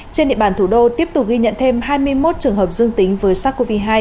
trên địa bàn thủ đô tiếp tục ghi nhận thêm hai mươi một trường hợp dương tính với sars cov hai